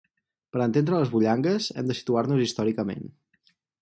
Per entendre les Bullangues hem de situar-nos històricament.